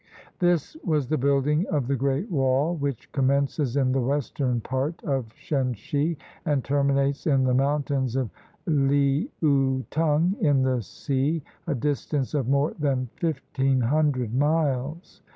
This was the building of the great wall which commences in the western part of Shen si and terminates in the mountains of Leaou tung, in the sea, a distance of more than fifteen hundred miles.